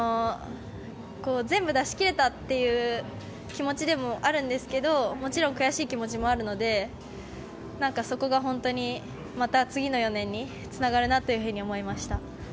全部出しきれたという気持ちでもあるんですがもちろん悔しい気持ちもあるのでそこが本当にまた次の４年につながるなというふうに思いました。